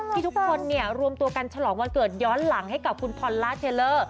ทุกคนเนี่ยรวมตัวกันฉลองวันเกิดย้อนหลังให้กับคุณพอลล่าเทลเลอร์